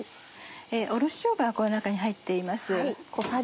おろししょうががこの中に入っています。